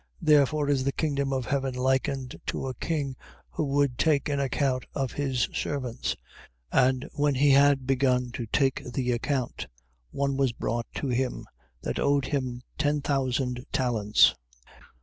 18:23. Therefore is the kingdom of heaven likened to a king, who would take an account of his servants. 18:24. And when he had begun to take the account, one as brought to him, that owed him ten thousand talents.